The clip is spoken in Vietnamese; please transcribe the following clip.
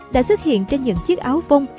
đã xuất hiện trên những chiếc áo phông